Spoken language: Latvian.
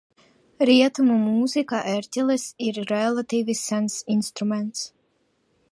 Rietumu mūzikā ērģeles ir relatīvi sens instruments.